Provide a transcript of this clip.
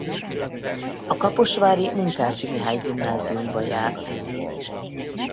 A Kaposvári Munkácsy Mihály Gimnáziumba járt.